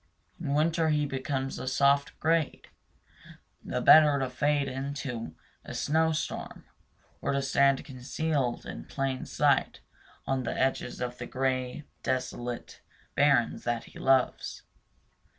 In winter he becomes a soft gray, the better to fade into a snowstorm, or to stand concealed in plain sight on the edges of the gray, desolate barrens that he loves.